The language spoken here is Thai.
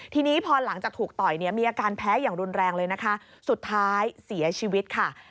ทีนี้พอหลังจากถูกต่อยเนี่ยมีอาการแพ้อย่างรุนแรงเลยนะคะสุดท้ายเสียชีวิตค่ะ